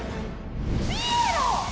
ピエロ！